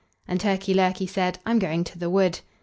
And Turkey lurkey said: "I'm going to the wood."